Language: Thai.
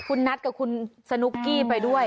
คุณนัทกับคุณสนุกกี้ไปด้วย